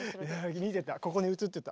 見てた。